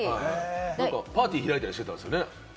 何かパーティー開いてたりしてたんですよね？